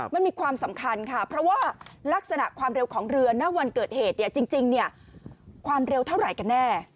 เพราะว่าลักษณะความเร็วของเรือน่าวันเกิดเหตุจริงความเร็วเท่าไหร่กันแน่